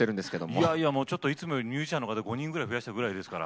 いやいや、いつもよりミュージシャンの方５人ぐらい増やしたぐらいですから。